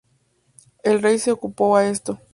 El rey se opuso a esto.